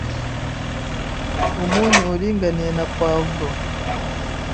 umunyu uringaniye na poivre